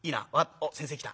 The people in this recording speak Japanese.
あっ先生来た。